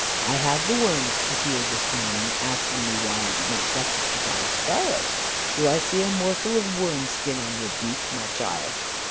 I had the worms to hear this morning, asking me why I did not breakfast upon sparrows. Do I see a morsel of worm's skin on your beak, my child?